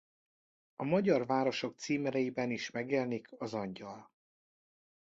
A magyar városok címereiben is megjelenik az angyal.